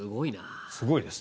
すごいです。